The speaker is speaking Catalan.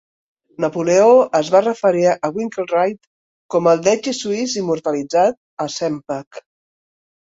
Napoleó es fa referir a Winkelried com "el Deci suís immortalitzat" a Sempach.